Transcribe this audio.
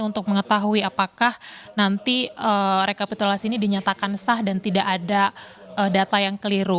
untuk mengetahui apakah nanti rekapitulasi ini dinyatakan sah dan tidak ada data yang keliru